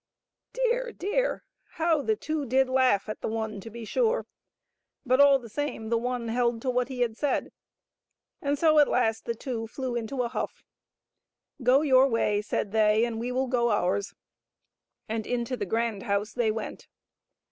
Dear, dear, how the two did laugh at the one to be sure ! but all the same, the one held to what he had said, and so at last the two flew into a huflF. "Go your way," said they, "and we will go ours." And into the grand house they went.